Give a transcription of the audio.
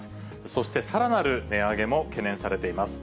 そしてさらなる値上げも懸念されています。